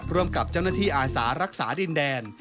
ร่วมกับเจ้าหน้าที่อาสารักษาดินแดน